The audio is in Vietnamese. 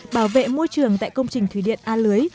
bảo vệ môi trường tại công trình thủy điện a lưới